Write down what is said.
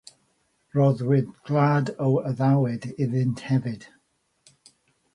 Rhoddwyd gwlad o addewid iddynt hefyd.